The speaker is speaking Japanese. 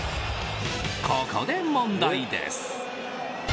ここで問題です。